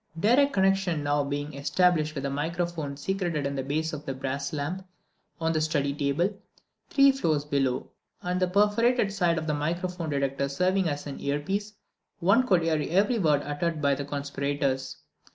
Direct connection now being established with a microphone secreted in the base of the brass lamp on the study table, three floors below, and the perforated side of the microphone detector serving as an earpiece, one could hear every word uttered by the conspirators.